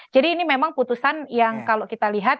jadi ini memang putusan yang kalau kita lihat